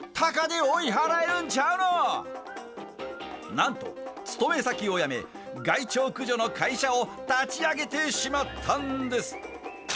なんと勤め先を辞め害鳥駆除の会社を立ち上げてしまったんです。